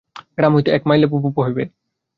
গ্রাম হইতে এক মাইলেব উপব হইবে।